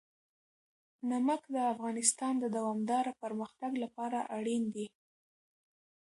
نمک د افغانستان د دوامداره پرمختګ لپاره اړین دي.